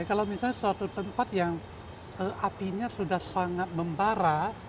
kalau misalnya suatu tempat yang apinya sudah sangat membara